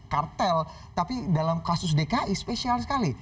kartel tapi dalam kasus dki spesial sekali